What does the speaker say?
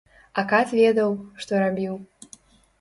А кат ведаў, што рабіў.